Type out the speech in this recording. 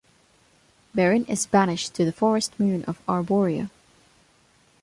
Barin is banished to the forest moon of Arboria.